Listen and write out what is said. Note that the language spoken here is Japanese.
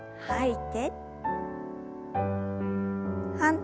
はい。